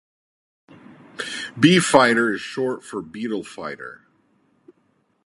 B-Fighter is short for "Beetle Fighter".